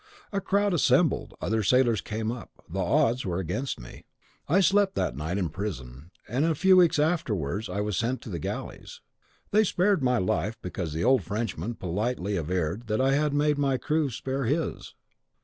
A crowd assembled; other sailors came up: the odds were against me. I slept that night in prison; and in a few weeks afterwards I was sent to the galleys. They spared my life, because the old Frenchman politely averred that I had made my crew spare his.